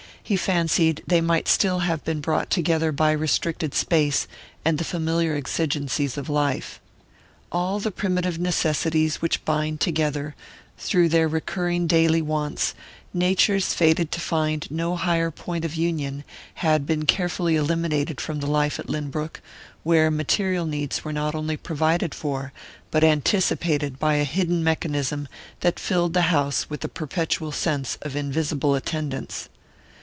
he fancied they might still have been brought together by restricted space and the familiar exigencies of life. All the primitive necessities which bind together, through their recurring daily wants, natures fated to find no higher point of union, had been carefully eliminated from the life at Lynbrook, where material needs were not only provided for but anticipated by a hidden mechanism that filled the house with the perpetual sense of invisible attendance.